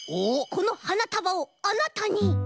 このはなたばをあなたに！